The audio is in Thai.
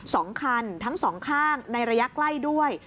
สองคันทั้งสองข้างในระยะใกล้ด้วย